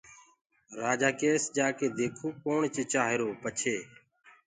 رآجآ ڪيس جاڪي ديکونٚ ڪوڻ چِچآهيٚروئي پڇي